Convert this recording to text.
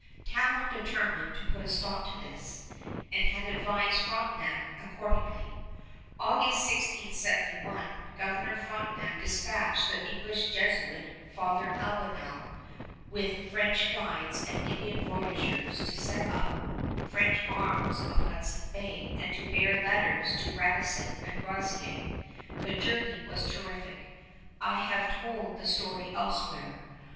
Talon determined to put a stop to this, and had advised Frontenac accordingly. August, 1671, Governor Frontenac dispatched the English Jesuit Father Albanel with French guides and Indian voyageurs to set up French arms on Hudson Bay and to bear letters to Radisson and Groseillers. The journey was terrific. I have told the story elsewhere.